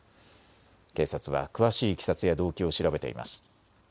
警察は詳しいいきさつや動機を調べています。